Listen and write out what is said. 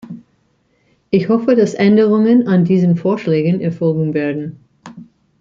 Ich hoffe, dass Änderungen an diesen Vorschlägen erfolgen werden.